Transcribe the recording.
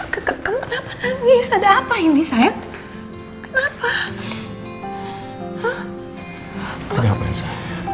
kekeke kemenangis ada apa ini sayang kenapa